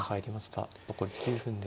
残り９分です。